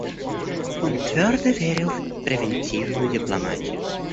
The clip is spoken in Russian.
Он твердо верил в превентивную дипломатию.